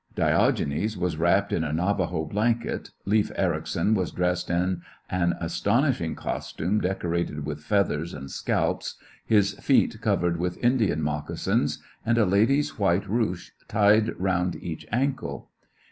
Diogenes was wrapped in a Navajo blanket, Leif Ericson was dressed in an astonishing costume decorated with feathers and scalps, his feet covered with Indian moc 115 ^coUections of a casinS; and a lady's white ruche tied aronnd each ankle.